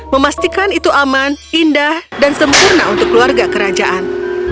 memastikan itu aman indah dan sempurna untuk keluarga kerajaan